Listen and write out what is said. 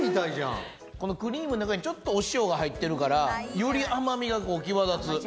このクリームの中にちょっとお塩が入ってるからより甘みがこう際立つ。